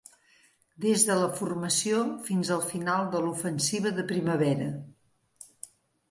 Des de la formació fins al final de l'ofensiva de primavera.